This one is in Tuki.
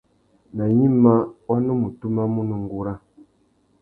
Nà gnïmá, wa nu mù tumamú nà ungura.